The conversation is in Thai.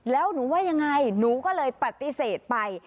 แล้วหนูว่ายังไงหนูก็เลยปฏิเสธไป